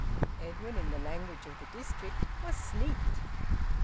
Edwin, in the language of the district, was `sneaped.'